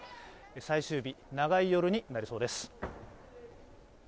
最終日、長い夜になりそうです。